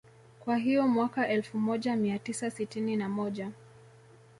Kwa hiyo Mwaka elfu moja mia tisa sitini na moja